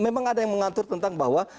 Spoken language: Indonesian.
memang ada yang mengatur tentang bahwa